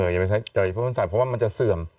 อย่าไปใช้แอลกอฮอล์พ่นใส่เพราะว่ามันจะเสื่อม